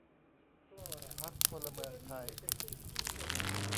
พรรคพลเมืองไทย